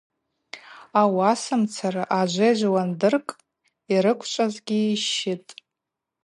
Ауасамцара ажвежв уандыркӏ йрыквчӏвазгьи йщытӏ.